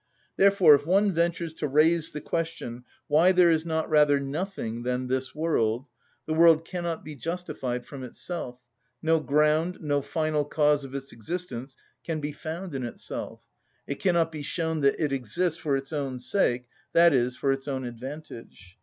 Therefore if one ventures to raise the question why there is not rather nothing than this world, the world cannot be justified from itself, no ground, no final cause of its existence can be found in itself, it cannot be shown that it exists for its own sake, i.e., for its own advantage.